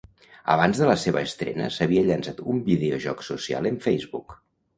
Abans de la seva estrena s'havia llançat un videojoc social en Facebook.